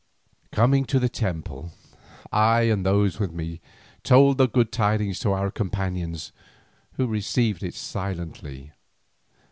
Coming to the temple, I and those with me told the good tidings to our companions, who received it silently.